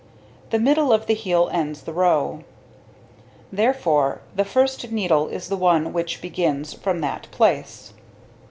The middle of the heel ends the row, therefore the 1st needle is the one which begins from that place.